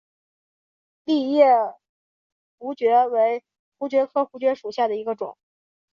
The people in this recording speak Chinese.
栎叶槲蕨为槲蕨科槲蕨属下的一个种。